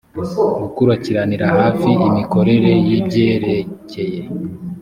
gukurikiranira hafi imikorere y ibyerekeye